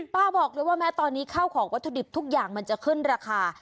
ป้าบอกเลยว่าแม้ตอนนี้ข้าวของวัตถุดิบทุกอย่างมันจะขึ้นราคา